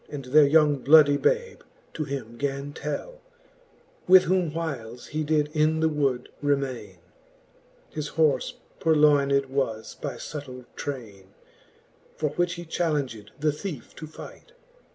And their young bloodie babe, to him gan tell 5 With whom whiles he did in the wood remaine, His horfe purloyned was by fubtill traine ; For which he chalenged the thiefe to fight.